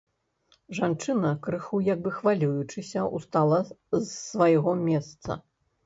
Жанчына, крыху як бы хвалюючыся, устала з свайго месца.